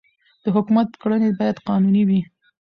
د حکومت کړنې باید قانوني وي